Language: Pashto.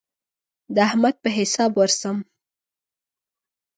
د احمد په حساب ورسم.